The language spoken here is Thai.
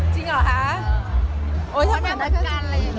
จริงหรอคะ